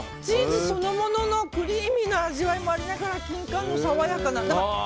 チーズそのもののクリーミーな味わいもありながらキンカンの爽やかな。